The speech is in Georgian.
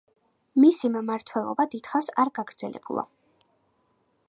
მისი მმართველობა დიდხანს არ გაგრძელებულა.